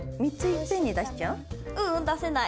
ううん出せない。